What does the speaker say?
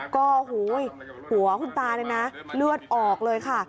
ก็หัวคุณตาใช่ไหมนะเหลือออกเลยค่ะ